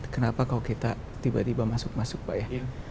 kenapa kalau kita tiba tiba masuk masuk pak ya